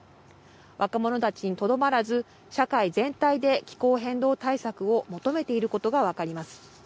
若者たちにとどまらず社会全体で気候変動対策を求めていることが分かります。